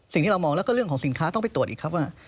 สิ่งที่เรามองแล้วก็เรื่องของสินค้าต้องไปตรวจอีกครับว่า